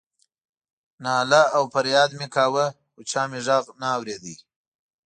ناله او فریاد مې کاوه خو چا مې غږ نه اورېده.